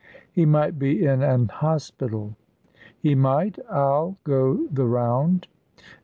"He might be in an hospital." "He might! Ill go the round."